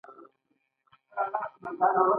هر جسم په خپل منځ کې داخلي انرژي لري.